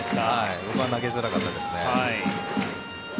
僕は投げづらかったですね。